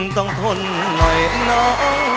ต้องทนหน่อยน้อง